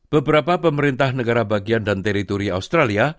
beberapa pemerintah negara bagian dan teritori australia